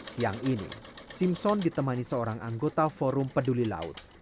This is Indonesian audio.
siang ini simpson ditemani seorang anggota forum peduli laut